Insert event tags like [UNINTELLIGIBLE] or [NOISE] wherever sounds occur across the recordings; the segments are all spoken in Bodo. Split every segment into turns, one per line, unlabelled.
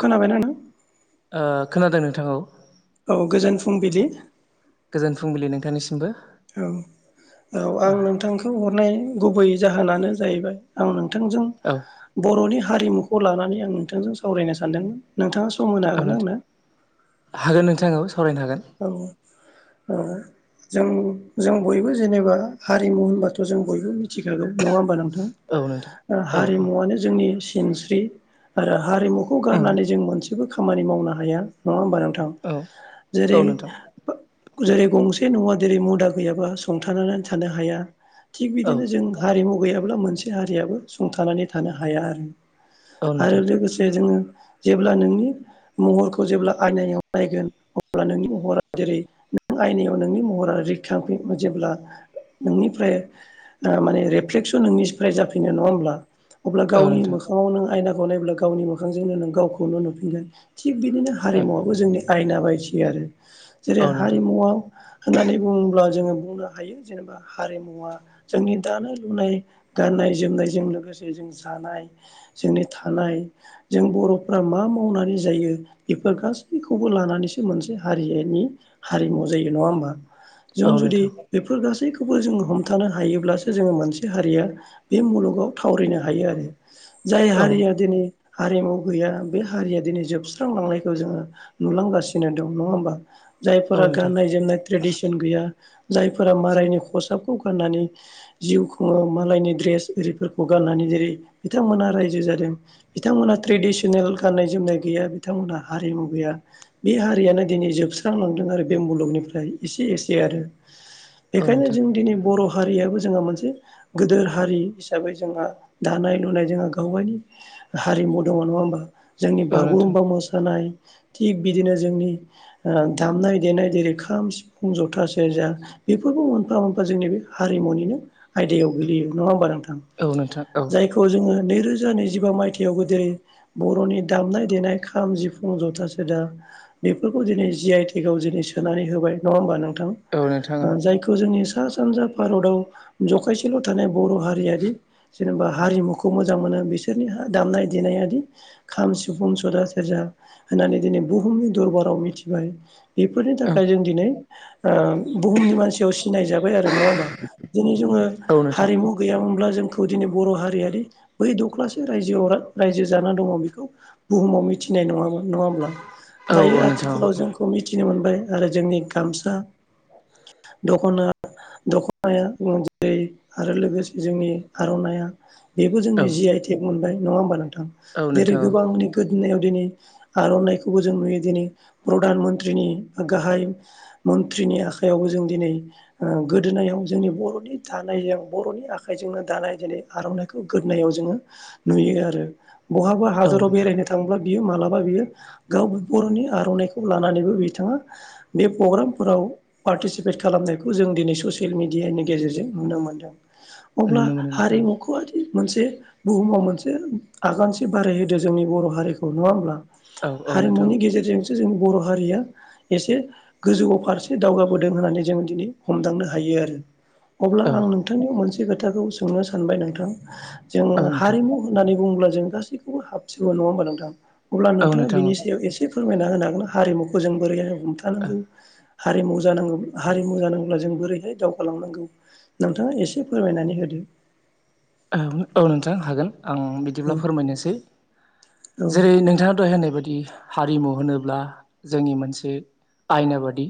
खोनाबायना नों
खोनादों नोंथां खौ।
औ गोजोन फुंबिलि।
गोजोन फुंबिलि नोंथांनिसिमबो।
औ औ आं नोंथांखौ हरनाय गुबै जाहोनानो जाहैबाय आं नोंं थोंजों बर'नि हारिमुखौ लानानै आं नोंथांजों सावरायनो सानदोंमोन नोंथाङा। सम होनो
औ
हागोन आंनो
नोंथां हागोन नोंथां आखौ सावरायनो हागोन।
ओ जों जों बयबो जेनेबा हारिमु होनबाथ' जों बयबो मि मिथिखागौ नङा होमबा नोंथां
औ नोंथां औ
हारिमुवनो जोंनि सिनस्रि आरो हारिमुखौ
उम
गारनानै जों मोनसेबो खामानि मावनो हाया नङा होमबा नोंथां
औ
जेरै
औ नोंथां
ओ जेरै गंसे न'आ जेरै मुदा गैयाबा संथानानै थानो हाया थिग
औ
बिदिनो जों हारिमु गैयाबा अब्ला मोनसे हारियाबो सुंथानानै थानो हाया आरो
औ
आरो
नोंथां
लोगोसे जोङो जेब्ला नोंनि महरखौ जेब्ला आयनायाव नायगोन अ अब्ला नोंनि महरा जेरै नों आयनायाव नोंनि महरा रोखा फैयो जेब्ला। नोंनिफ्राय ओ माने रेफ्लेक्सन नोंनिफ्राय जाफिनो नङा होमब्ला अब्ला
औ
गावनि
नोंथां
मोखाङाव नों आयनाखौ नायोब्ला गावनि मोखांजोंनो नों गावखौनो नुफिनगोन थिग बिदिनो हारिमुवाबो जोंनि आयना बायदि आरो।
औ
जेरै
नोंथां
हारिमुवा होननानै बुङोब्ला जोङो बुंनो हायो जेनेबा हारिमुवा जोंनि दानाय लुनाय गाननाय जोमनायजों लोगोसे जों। जानाय जोंनि थानाय जों बर'फ्रा मा मावनानै जायो बेफोर। गासैखौबो लानानैसो। मोनसे हारिनि हारिमु जायो नङा होमबा
औ
जों जुदि
नोंथां
बेफोर गासैखौ खौबो जोङो हमथानो हायोब्लासो जोङो मोनसे हारिया बे मुलुगाव थावरिनो हायो आरो। जाय
औ
हारिया दिनै हारिमु गैया बे हारिया दिनै जोबस्रांलांनायखौ जोङो नुलांगासिनो। दं नङा होमबा
नोंथां औ
जायफोरा
नोंथां
गाननाय जोमनाय ट्रेडिसन गैया जायफोरा मालायनि खसाबखौ गाननानै जिउ खुङो मालायनि ड्रेस आरिफोरखौ गाननानै। जेरै बिथांमोना रायजो जादों बिथांमोनहा ट्रेडिसनेल गान्नाय जोमनाय गैया बिथांमोनहा हारि। बे मुगाया बे हारियानो दिनै जोबस्रांलांदों आरो बे मुलुगनिफ्राय एसे एसे आरो। बेखायनो जों दिनै बर'। हारियाबो जोंहा मोनसे गिदोर हारि हिसाबै जोंहा दानाय लुनाय जोंहा गाव गावनि हारिमु दङ नङा होमबा जोंनि
औ नोंथां
बागुरुम्बा मोसानाय थिग बिदिनो जोंनि ओ दामनाय देनाय जेरै खाम, सिफुं, जथा, सेरजा बेफोरबो मोनफा मोनफा जोंनि बे हारिमुनिनो आयदायाव गोलैयो नङा होमबा नोंथा?
औ नोंथां औ
जायखौ जोङो बे नैरोजा नैजिबा मायथाइयावबो दिनै बर'नि दामनाय देनाय खाम, जिफुं, जथा, सेरजा बेफोरखौ दिनै जि आइ टेक आव जिनै सोनानै होबाय नङा होमबा नों? औ जायखौ जोंनि। सा सानजा भारताव जखायसेल' थानाय बर' हारियारि जेनेबा हारिमुखौ मोजां मोनो। बिसोरनि हा दामनाय देनायादि खाम, सिफुं, सथा, सेरजा होननानै दिनै बुहुमनि दरबाराव मिथिबाय बेफोरनि
औ
थाखाय जों दिनै। ओ बुहुमनि मानसियाव सिनाय जाबाय आरो नङा होमबा दिनै जोङो
औ नोंथां
हारिमु गैयामोन। ब्ला जोंखौ दिनै बर' हारियारि बै दख्लासे रायजोआव रा-रायजो जानानै दङ बेखौ बुहुमाव। मिथिनाय नङामोन नङा होमब्ला
औ
दायो आथिखालाव जोंखौ मिथिनो मोनबाय आरो जोंनि गामसा दखना। दख'नाया जेरै आरो लोगोसे जोंनि आर'नाया। बेबो जोंनि जि आइटेक मोनबाय नङा होमबा नोंथां
औ नोंथां औ
जेरै
नोंथां
गोबांनि [UNINTELLIGIBLE] नायाव दिनै आर'नाइखौ। खौबो जों नुयो दिनै प्रधान मन्त्रिनि बा गाहाय मन्त्रिनि आखायावबो जों दिनै। ओ गोदोनायाव जोंनि बर'नि दानायजों बर'नि आखाइजोंनो दानाय दिनै आर'नाइखौ गो। होननायाव जोङो नुयो आरो बहाबा
औ
हादराव
नोंथां
बेरायनो थांब्ला बियो मालाबा बियो गाव बर'नि आर'नाइखौ लानानैबो बिथाङा बे प्रग्रामफोराव पार्टिसिपेट खालाम। जायखौ जों दिनै ससियेल मिडियानि गेजेरजों नुनो मोनदों अब्ला
नुनो मोनो नोंथां
हारिमुखौ मोनसे बुहुमाव मोनसे आगानसे बारायहोदो जोंनि बर' हारिखौ नङा होमब्ला?
औ औ नोंथां
हारिमुनि गेजेरजों जों जोंनि बर' हारिया एसे गोजौ फारसे दावगाबोदों होननानै जोङो दिनै हमदांनो हायो। [INAUDIBLE] अब्ला
औ
आं नोंथांनि मोनसे खोथाखौ सोंनो सानबाय नोंथां जों
औ नोंथां
हारिमु होननानै। बुंब्ला जों गासैखौबो हाबसिगौ नङा होनबा नोंथां अब्ला
औ
नोंथाङा
नोंथां
बेनि एसे फोरमायना होनो हागोन हारिमुखौ जों बोरैहाय हमथानो
औ
हायो। हारिमु जानांगौ हारिमु जानांगौब्ला जों बोरैहाय दावगालांनांगौ। नोंथाङा एसे फोरमायनानै होदो।
औ औ नोंथां हागोन। आं
औ
बिदिब्ला फोरमायनोसै जेरै नोंथाङा दहाय होनाय बायदि इ हारिमु होनोब्ला जोंनि मोनसे आयना बादि।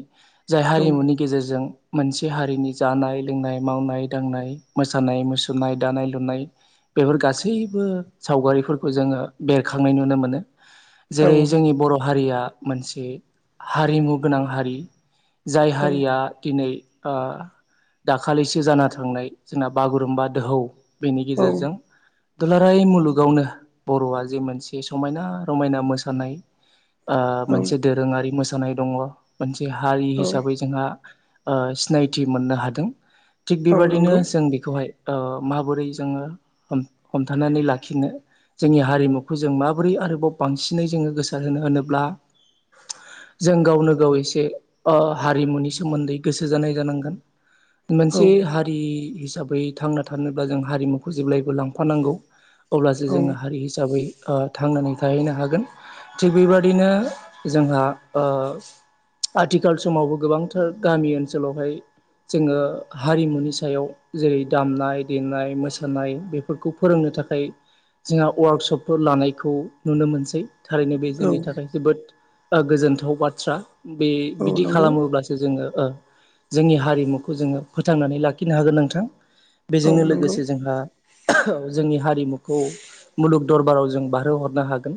जाय
औ
हारिमुनि गेजेरजों मोनसे हारिनि जानाय लोंनाय मावनाय दांनाय मोसानाय मुसुरनाय दानाय लुनाय बेफोर गासैबो सावगारिफोरखौ जोङो बेरखांनाय नुनो मोनो।
औ
जेरै जोंनि बर' हारिया मोनसे हारिमु गोनां हारि। जाय हारिया
औ
दिनै। ओ दाखालिसो जाना थांनाय जोंना बागुरुम्बा दोहौ। बेनि
औ
गेजेरजों दुलाराय मुलुगावनो बर'आ जे मोनसे समायना रमायना मोसानाय ओ
औ
मोनसे दोरोङारि मोसा जानाय दङ मोनसे हारि
औ
हिसाबै जोंहा ओ सिनायथि मोननो हादों। थिग
औ
बेबादिनो
नंगौ
जों बेखौहाय ओ माबोरै जोंङो हमथानानै लाखिनो। जोंनि हारिमुखौ जों माबोरै आरोबाव बांसिनै जोंङो गोसार होनो होनोब्ला। जों गावनो गाव एसे ओ हारिमुनि सोमोन्दै गोसो जानाय जानांगोन।
औ
मोनसे हारि हिसाबै थांना थानोब्ला जों हारिमुखौ जेब्लायबो लांफानांगौ अब्लासो
औ
जोङो हारि हिसाबै ओ थांनानै थाहैनो हागोन थिग बेबादिनो जोंहा ओ आथिखाल समावबो गोबांथार गामि ओनसोलावहाय जोंङो हारिमुनि सायाव जेरै दामनाय देनाय मोसानाय बेफोरखौ फोरोंनो थाखाय। जोंहा वार्कशपफोर लानायखौ नुनो मोनसै। थारैनो बे
औ
जोंनि थाखाय जोबोद ओ गोजोनथाव बाथ्रा। बे
औ
बिदि
नंगौ
खालामोब्लासो जोंङो ओ जोंनि हारिमुखौ जोंङो फोथांनानै लाखिनो हागोन नोंथां।
औ
बेजोंनो
नंगौ
लोगोसे जोंहा जोंनि हारिमुखौ मुलुग दरबाराव जों बारहोहरनो हागोन।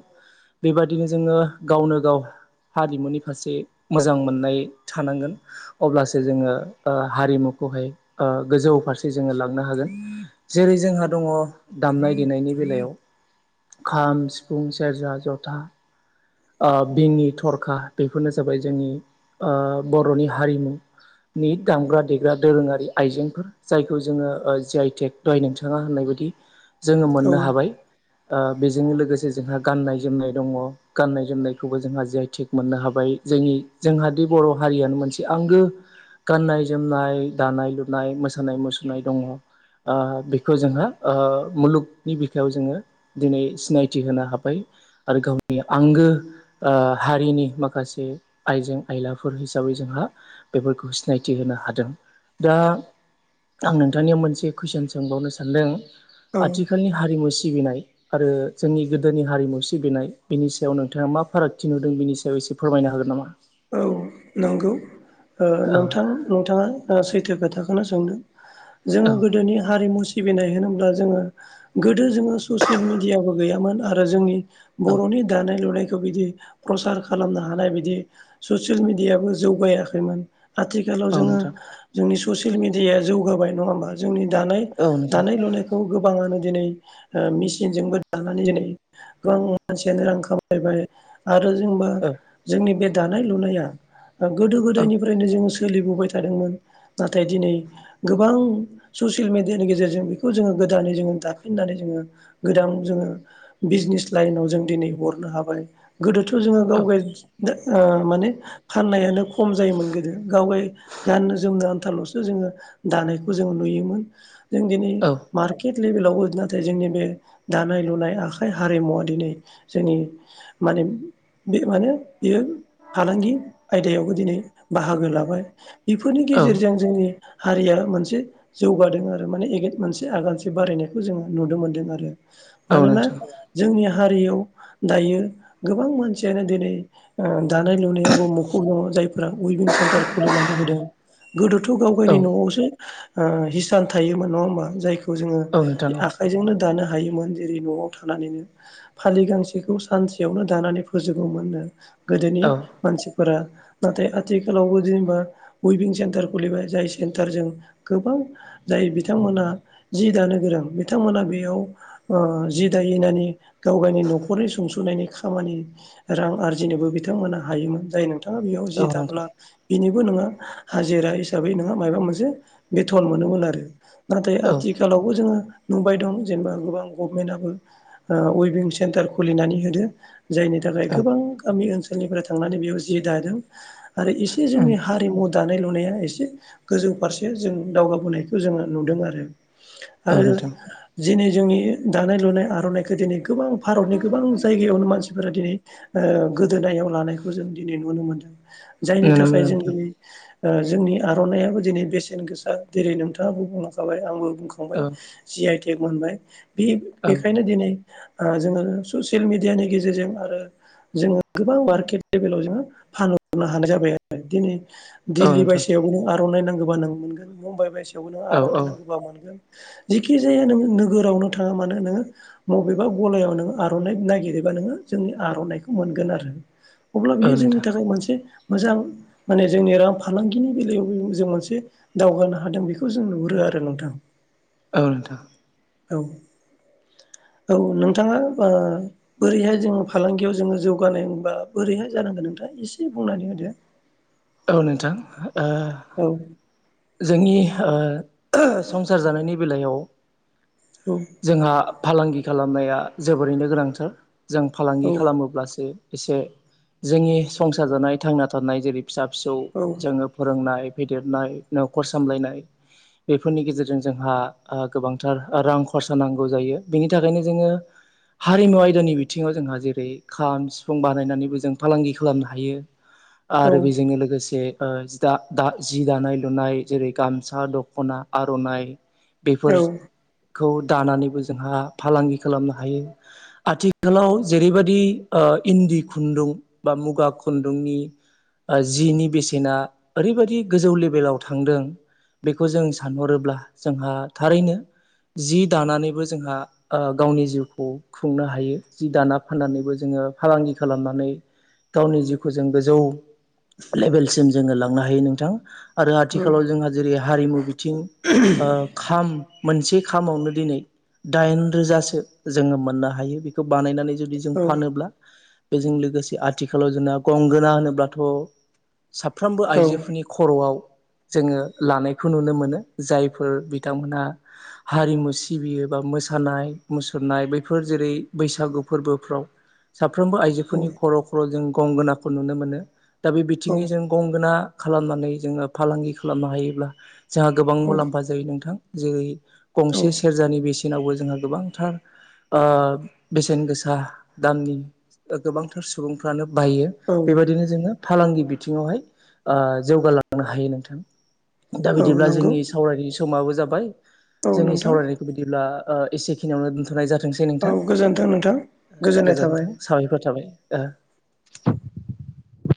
बेबायदिनो जोंङो गावनो गाव हारिमुनि फारसे मोजां मोननाय थानांगोन अब्लासो ओ जोंङो ओ हारिमु हाय ओ गोजौ फारसे लां मोननो हागोन जेरै जोंहा दङ दामनाय देनायनि बेलायाव। खाम सिफुं सेरजा जथा। ओ बिंनि थरखा बेफोरनो जाबाय जोंनि ओ बर'नि हारिमु। नि दामग्रा देग्रा दोरोङारि आइजेंफोर जायखौ जोंङो जियाइ आइ टेक दहाय नोंथाङा होननाय बा बिदि जोंङो
औ
मोननो हाबाय ओ बेजोंनो लोगोसे जोंहा गाननाय जोमनाय दङ। गाननाय जोमनायखौबो जोंहा जियाइ टेक मोननो हाबाय जोंनि जोंहादि बर हारियानो मोनसे आंगो गाननाय जोमनाय दानाय लुनाय मोसानाय मुसुरनाय दङ। ओ बेखौ जोंहा ओ मुलुगनि बिखायाव जोङो दिनै सिनायथि होनो हाबाय। आरो गावनि आंगो ओ हारिनि माखासे आइजें आयलाफोर हिसाबै जोंहा बेफोरखौ सिनायथि हो नो हादों दा आं नोंथांनियाव मोनसे कुइसन सोंबावनो सानदों आथिखालनि हारिमु सिबिनाय आरो जोंनि गोदोनि हारिमु सिबिनाय बेनि सायाव नोंथाङा मा फारागथि नुदों बेनि सायाव एसे फोरमायनो हागोन नामा?
औ नंगौ ओ
औ
नोंथां नोंथाङा सैथो खोथाखौनो सोंदों। जोंङो
औ
गोदोनि हारिमु सिबिनाय होनोब्ला जोंङो। गोदो जोंङो ससियेल मिडियाबो गैयामोन आरो जोंनि
औ
बरनि दानाय लुनाय बिदि प्रसार खालामनो हानाय बिदि ससियेल मिडियाबो जौगायाखैमोन। आथिखालाव
औ
जोंङो
नोंथां
जोंनि ससियेल मिडियाया जौगाबाय नङा होमबा जोंनि दानाय
औ नोंथां
दानाय लुनायखौ गोबाङानो। दिनै मेचनजोंबो दानानै दिनै गोबां मानसियानो रां खामायबाय। आरो जोंबा
औ
जोंनि बे दानाय लुनाया ओ गोदो
औ
गोदायनिफ्रायनो जों सोलिबोबाय थादोंमोन नाथाय दिनै गोबां ससियेल मिडियानि गेजेरजों बेखौ जोंङो गोदानै जोंङो दाफिननानै जोंङो गोदान जोंङो बिजनेस लाइनाव जों दिनै हरनो हाबाय। गोदोथ' जोंङो गाव
औ
गाय दा ओ माने फाननायानो खम जायोमोन गोदो गावगाय गाननो जोमनो आन्थालल'सो जोंङो। दानायखौ जों नुयोमोन जों दिनै मार्केट लेभेलावबो नाथाय जोंनि बे दानाय लुनाय आखाइ हारिमुवा दिनै जोंनि मा बे माने बियो फालांगि आयदायावबो दिनै बाहागो लाबाय बेफोरनि
औ
गेजेरजों जोंनि हारिया मोनसे जौगादों आरो माने एनेगद मोनसे आगानसे बारायनायखौ जोंङो नुनो मोनदों आरो।
औ
मानोना
नोंथां
जोंनिया। हारियाव दायो गोबां मानसियानो दिनै ओ दानाय लुनायावबो मखर दङ जायफोर उइभिं सेन्टार खुलिनानै होदों गोदोथ गाव
औ
गावनि नयावसो ओ हिसान थायोमोन नङा होमबा जायखौ जोङो
औ नोंथां
आखाइजोंनो दानो हायोमोन। जेरै नयाव थानानैनो फालि गांसेखौ सानसेयावनो दानानै फोजोबोमोननो। गोदोनि
औ
मानसिफोरा नाथाय आथिखालावबो जेनेबा उइभिं सेन्टार खुलिबाय जाय सेन्टारजों गोबां जाय बिथांमोना जि दानो गोरां बिथांमोना बेयाव जि ओ दायैनि गावगायनि नखरनि सुंसनायनि खामानि रां आरजिनोबो बे बिथांमोना हायोमोन जाय नोंथाङा बेयाव जि
औ
दाबोना
नोंथां
बिनि। नों हाजिरा हिसाबै नों मायबा मोनसे बेथन मोनोमोन आरो। नाथाय
औ
आथिखालावबो जोङो। नुबाय दं जेनेबा गोबां गभमेन्टयाबो ओ उइभिं सेन्टार खुलिनानै होदो। जायनि थाखाय गोबां गामि ओनसोलनिफ्राय थांनानै बेयाव जि दादों। आरो एसे जोंनि
औ
हारिमु। दानाय लुनाया एसे गोजौ फारसे जों दावगाबोनायखौ जोङो नुदों आरो।
औ
आरो
नोंथां
दिनै जोंनि दानाय लुनाय आर'नाइखौ दिनै। गोबां भारनि गोबां जायगायावनो मानसिफोरा दिनै ओ गो गोदोनायाव लानायखौ जों दिनै नुनो मोनदों जायनि
नुनो
थाखाय
मोनो
जों दिनै जोंनि आरनायाबो दिनै बेसेन गोसा जेरै नोंथाङाबो बुंलांखाबाय आंबो बुंखांबाय जि आइ टेक मोनबाय बे बेखायनो दिनै। ओ जोङो ससियेल मिडियानि गेजेरजों आरो जोङो गोबां मार्केट लेभेलाव जोङो फानहरनो हानाय जाबाय आरो दिनै दिल्ली
नोंथां
बायसयावबो आर'नाइ नांगौबा नों मोनगोन मुम्बाइ बायसियावबो नों
औ औ नोंथां औ
आर'नाइ नांगौबा मोनगोन। जेखि जाया नों नोगोरावनो थाङा मानो नोङो मबेबा गलायाव नो आर'नाइ नागिरोबा नो जोंनि आर'नाइखौ मोनगोन आरो अब्ला
औ
बियो जोंनि
नोंथां
थाखाय मोनसे मोजां माने जोंनि रां फालांगिनि बेलायावबो जों मोनसे दावगानो हादों बेखौ जों नुहुरो। [UNINTELLIGIBLE] नोंथां ।
औ नोंथां।
औ। औ नोंथाङा ओ बोरैहाय जों फालांगियाव जोङो जौगानोबा बोरैहाय जानांगोन नोंथां? दा एसे बुंनानै होदो।
औ नोंथां हो ओ
औ
जोंनि ओ ओहोह संसार जानायनि बेलायाव
औ
जोंहा फालांगि खालामनाया जोबोरैनो गोनांथार जों फालांगि खालामोब्लासो एसे जोंनि संसार जानाय थांना थानाय जेरै फिसा फिसौ
औ
जोङो फोरोंनाय फेदेरनाय न'खर सामलायनाय बेफोरनि गेजेरजों जोंहाओ गोबांथार रां खरसा नांगौ जायो बेनि थाखायनो जोङो हारिमु आयदानि बिथिङाव जोंहा जेरै खाम सिफुं बानायनानैबो जों फालांगि खालामनो हायो।
औ
आरो बेजोंनो लोगोसे ओ जि दा दा जि दानाय लुनाय जेरै गामसा दख'ना आर'नाइ
औ
बेफोर खौ दानानैबो जोंहा फालांगि खालामनो हायो आथिखालाव जेरैबायदि ओ इन्दि खुन्दुं बा मुगा खुन्दुंनि जिनि बेसेना ओरैबायदि गोजौ लेभेलाव थांदों बेखौ जों सानहरोब्ला जोंहा थारैनो जि दानानैबो जोंहा ओ गावनि जिउखौ खुंनो हायो जि दाना फाननानैबो जोङो फालांगि खालामनानै गावनि जिउखौ जों गोजौ लेभेलसिम जोङो लांनो हायो नोंथां। आरो
उम
आथिखालाव जोंहा जेरै हारिमु बिथिं ओ खाम मोनसे खामावनो दिनै दाइन रोजासो जोङो मोननो हायो बेखौ बानायनानै जुदि जों
औ
फानोब्ला बेजों लोगोसे आथिखालाव जोंना गंगोना होनोब्लाथ' साफ्रोमबो आइजोफोरनि खर'आव जोङो लानायखौ नुनो मोनो जायफोर बिथांमोनहा हारिमु सिबियो बा मोसानाय मुसुरनाय बैफोर जेरै बैसागु फोरबोफ्राव साफ्रोमबो आइजोफोरनि
औ
खर' खर' जों गंगोनाखौ नुनो मोनो दा बे बिथिङै जों गंगोना खालामनानै जोङो फालांगि खालामनो हायोब्ला जोंहा गोबां
औ
मुलाम्फा जायो नोंथां जेरै गंसे सेरजानि बेसे नावबो जोंहा गोबांथार बेसेन गोसा दामनि ओ गोबांथार सुबुंफ्रानो बायो
औ
बेबायदिनो जोङो फालांगि बिथिङावहाय ओ जौगालांनो हायो नोंथां। दा
औ
बिदिब्ला
नंगौ
जोंनि सावरायनायनि समाबो जाबाय
औ
जोंनि
नोंथां
सावरायनायखौ बिदिब्ला एसेखिनियावनो दोन्थ'नाय जाथोंसै
औ
नोंथां
गोजोन्थों नोंथां गोजोननाय थाबाय।
गोजोन्थों साबायफोर थाबाय ए ।